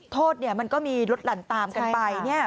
โทษมันก็มีลดหลั่นตามกันไป